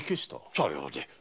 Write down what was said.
さようで。